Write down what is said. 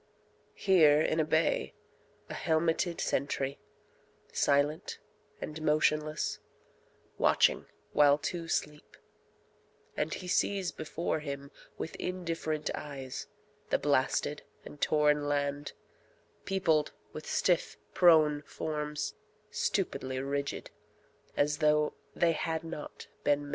Here in a bay, a helmeted sentry Silent and motionless, watching while two sleep, And he sees before him With indifferent eyes the blasted and torn land Peopled with stiff prone forms, stupidly rigid, As tho' they had not been men.